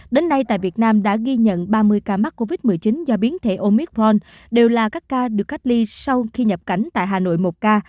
đến nay tại việt nam đã ghi nhận ba mươi ca mắc covid một mươi chín do biến thể omicron đều là các ca được cách ly sau khi nhập cảnh tại hà nội một ca